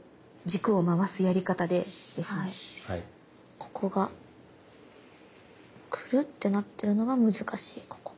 ここがクルッてなってるのが難しいここが。